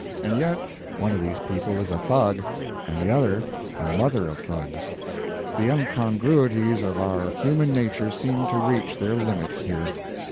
And yet one of these people is a Thug and the other a mother of Thugs! The incongruities of our human nature seem to reach their limit here.